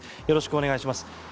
よろしくお願いします。